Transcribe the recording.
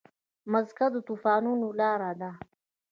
مځکه د طوفانونو لاره ده.